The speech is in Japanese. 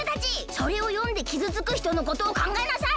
それをよんできずつくひとのことをかんがえなさい！